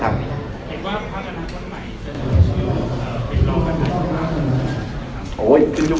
เห้ยยมงกลับผมก็รู้นะครับ